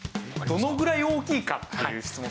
どのぐらい大きいかっていう質問